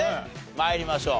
参りましょう。